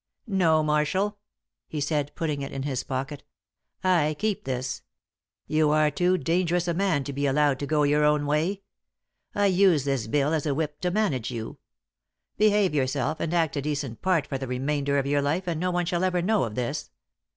"No, Marshall," he said, putting it in his pocket. "I keep this. You are too dangerous a man to be allowed to go your own way. I use this bill as a whip to manage you. Behave yourself, and act a decent part for the remainder of your life, and no one shall ever know of this.